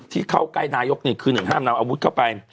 ที่เข้าใกล้นายกนี่คือหนึ่งห้ามนำอาวุธเข้าไป